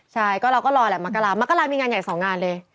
ใช่ก็เราก็รอแหละมกรามกรามีงานใหญ่๒งานเลย